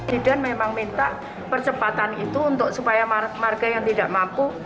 biduan memang minta percepatan itu supaya marga yang tidak mampu